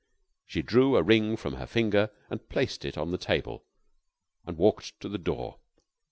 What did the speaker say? She drew a ring from her finger, placed it on the table, and walked to the door.